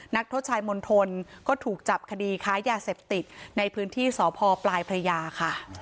นักโทษชายมณฑลก็ถูกจับคดีค้ายาเสพติดในพื้นที่สพปลายพระยาค่ะ